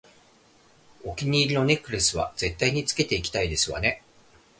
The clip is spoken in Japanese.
お気に入りのネックレスは絶対につけていきたいですわね